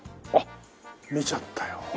あっ見ちゃったよ。